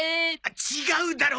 違うだろ！